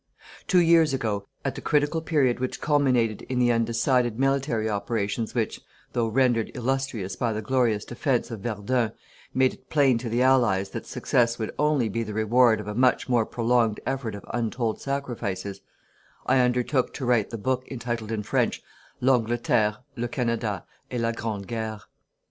Two years ago, at the critical period which culminated in the undecided military operations which, though rendered illustrious by the glorious defence of Verdun, made it plain to the Allies that success would only be the reward of a much more prolonged effort of untold sacrifices, I undertook to write the book entitled in French: "L'Angleterre, le Canada et la Grande Guerre."